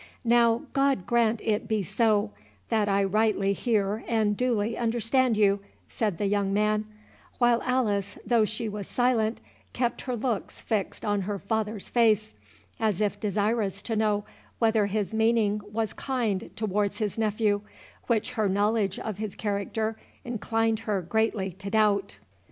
"Now God grant it be so, that I rightly hear and duly understand you," said the young man; while Alice, though she was silent, kept her looks fixed on her father's face, as if desirous to know whether his meaning was kind towards his nephew, which her knowledge of his character inclined her greatly to doubt.